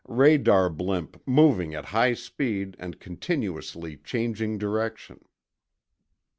Radar blimp moving at high speed and continuously changing direction.